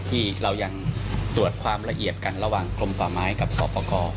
ที่เรายังตรวจความละเอียดกันระหว่างกลมป่าไม้กับสอบประกอบ